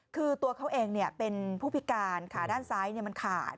คือตัวเขาเองเป็นผู้พิการขาด้านซ้ายมันขาด